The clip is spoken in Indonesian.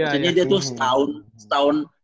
jadi dia tuh setahun